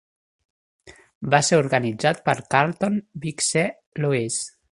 Va ser organitzat per Carlton "Big C" Lewis.